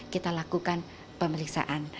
kita lakukan pemeriksaan